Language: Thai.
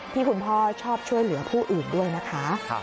คุณพ่อชอบช่วยเหลือผู้อื่นด้วยนะคะ